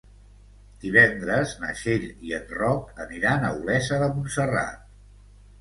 Divendres na Txell i en Roc aniran a Olesa de Montserrat.